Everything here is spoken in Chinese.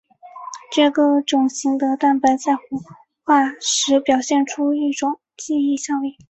这个种系的蛋白在活化时表现出一种记忆效应。